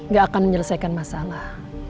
gak akan menyelesaikan masalah